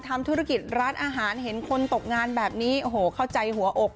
ทำธุรกิจร้านอาหารเห็นคนตกงานแบบนี้โอ้โหเข้าใจหัวอก